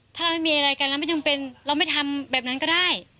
ถ้าเราไม่มีอะไรกันเราไม่จำเป็นเราไม่ทำแบบนั้นก็ได้